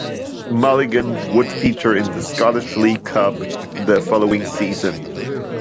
Mulligan would feature in the Scottish League Cup the following season.